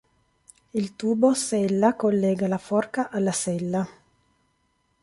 Il tubo sella collega la forca alla sella.